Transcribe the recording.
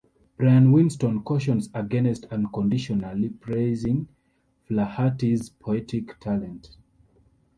Brian Winston cautions against unconditionally praising Flaherty's poetic talent.